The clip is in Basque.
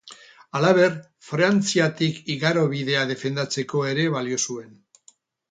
Halaber, Frantziatik igarobidea defendatzeko ere balio zuen.